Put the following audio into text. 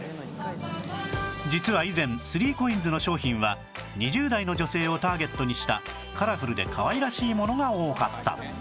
実は以前 ３ＣＯＩＮＳ の商品は２０代の女性をターゲットにしたカラフルでかわいらしいものが多かった